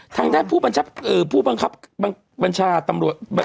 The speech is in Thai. ทางด้านผู้บังคับบัญชาตำรวจ